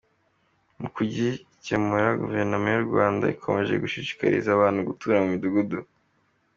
Mu kugikemura Guverinoma y’u Rwanda ikomeje gushishikariza abantu gutura mu midugudu.